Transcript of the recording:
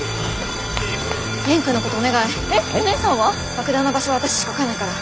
爆弾の場所は私しか分かんないから。